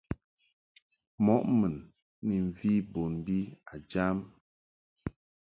Mɔ mun ni mvi bon bi a jam.